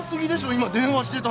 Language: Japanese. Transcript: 今電話してたのに。